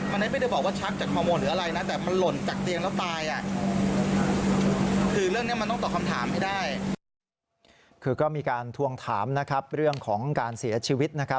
มันไม่ได้บอกว่าชับจากฮอมโมนหรืออะไรนะ